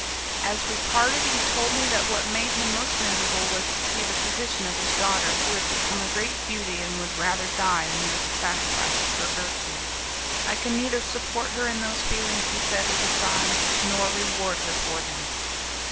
As we parted, he told me that what made him most miserable was to see the position of his daughter, who had become a great beauty, and would rather die than make a sacrifice of her virtue. "I can neither support her in those feelings," he said, with a sigh, "nor reward her for them."